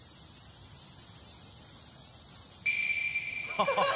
ハハハハ！